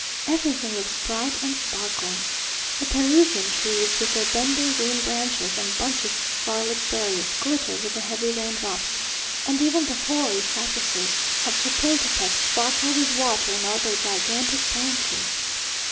Everything looks bright and sparkling. The Peruvian trees, with their bending green branches and bunches of scarlet berries, glitter with the heavy rain drops, and even the hoary cypresses of Chapultepec sparkle with water in all their gigantic branches.